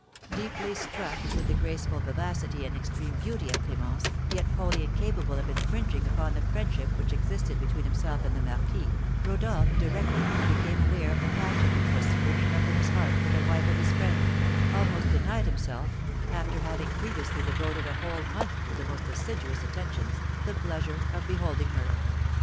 Deeply struck with the graceful vivacity and extreme beauty of Clémence, yet wholly incapable of infringing upon the friendship which existed between himself and the marquis, Rodolph, directly he became aware of the passion which was springing up in his heart for the wife of his friend, almost denied himself (after having previously devoted a whole month to the most assiduous attentions) the pleasure of beholding her.